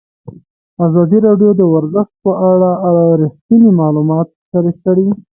ازادي راډیو د ورزش په اړه رښتیني معلومات شریک کړي.